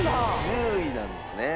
１０位なんですね。